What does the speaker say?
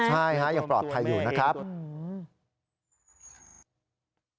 ใช่ฮะยังปลอดภัยอยู่นะครับอืม